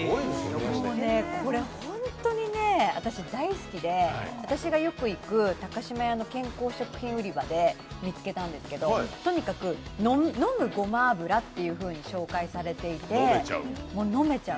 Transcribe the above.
もうね、これホントに私大好きで、私がよく行く高島屋の健康食品売り場で見つけたんですけどとにかく飲むごま油というふうに紹介されていて飲めちゃう。